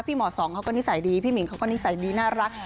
หมอสองเขาก็นิสัยดีพี่หิงเขาก็นิสัยดีน่ารัก